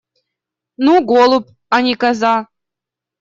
Ну, голубь, а не коза.